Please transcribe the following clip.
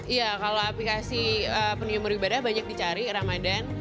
iya kalau aplikasi penyumur ibadah banyak dicari ramadan